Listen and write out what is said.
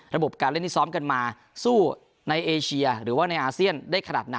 ระบบการเล่นที่ซ้อมกันมาสู้ในเอเชียหรือว่าในอาเซียนได้ขนาดไหน